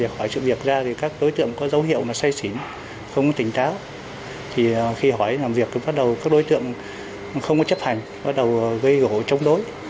khi hỏi làm việc thì bắt đầu các đối tượng không chấp hành bắt đầu gây gỗ chống đối